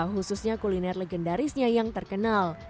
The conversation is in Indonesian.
khususnya kuliner legendarisnya yang terkenal